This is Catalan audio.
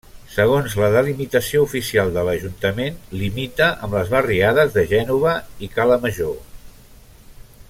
Segons la delimitació oficial de l'ajuntament, limita amb les barriades de Gènova i Cala Major.